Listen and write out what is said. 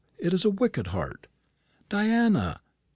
It is a wicked heart." "Diana!"